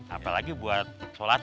apalagi buat sholat